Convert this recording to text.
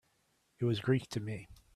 It was Greek to me